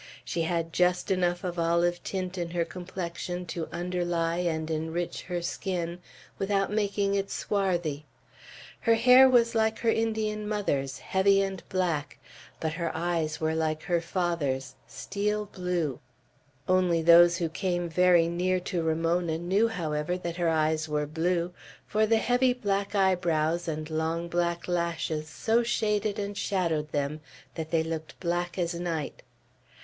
She had just enough of olive tint in her complexion to underlie and enrich her skin without making it swarthy. Her hair was like her Indian mother's, heavy and black, but her eyes were like her father's, steel blue. Only those who came very near to Ramona knew, however, that her eyes were blue, for the heavy black eyebrows and long black lashes so shaded and shadowed them that they looked black as night.